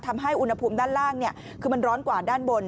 ทำให้อุณหภูมิด้านล่างคือมันร้อนกว่าด้านบน